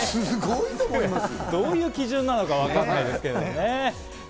どういう基準かわからないですけど。